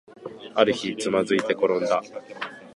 ある日、つまずいてころんだ